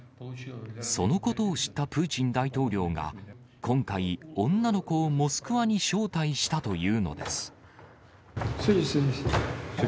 そのことを知ったプーチン大統領が、今回、女の子をモスクワに招待したというのです。